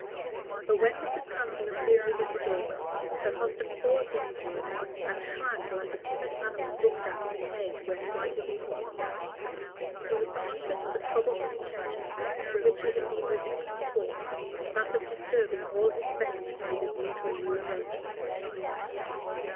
But when Mrs. Transome appeared within the doorway, her husband paused in his work and shrank like a timid animal looked at in a cage where flight was impossible. He was conscious of a troublesome intention, for which he had been rebuked before that of disturbing all his specimens with a view to a new arrangement.